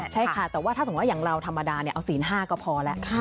ใช่ค่ะแต่ว่าถ้าสมมุติอย่างเราธรรมดาเอาศีล๕ก็พอแล้ว